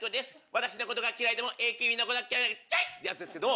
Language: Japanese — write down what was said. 私のことが嫌いでもＡＫＢのことはきらちゃい！ってやつですけど。